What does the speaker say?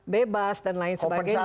bebas dan lain sebagainya